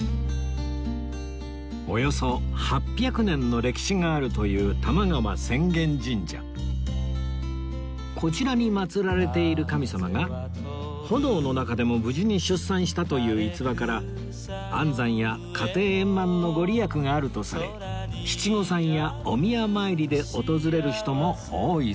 およそ８００年の歴史があるというこちらに祀られている神様が炎の中でも無事に出産したという逸話から安産や家庭円満の御利益があるとされ七五三やお宮参りで訪れる人も多いそうです